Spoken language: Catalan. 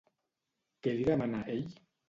Què li demana ell?